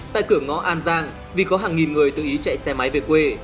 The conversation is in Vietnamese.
tại cửa ngõ an giang vì có hàng nghìn người tự ý chạy xe máy về quê